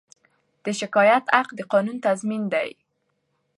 د شکایت حق د قانون تضمین دی.